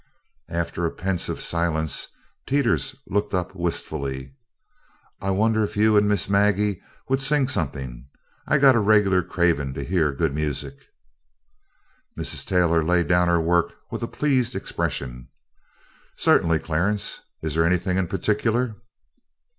After a pensive silence Teeters looked up wistfully: "I wonder if you and Miss Maggie would sing somethin'. I git a reg'lar cravin' to hear good music." Mrs. Taylor laid down her work with a pleased expression. "Certainly, Clarence. Is there anything in particular?"